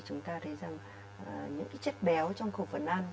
chúng ta thấy rằng những cái chất béo trong khẩu phần ăn